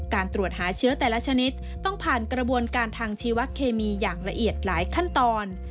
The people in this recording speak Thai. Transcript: การตรวจหาเชื้อแต่ละชนิดต้องผ่านกระบวนการทางชีวเคมีอย่างละเอียดหลายขั้นตอน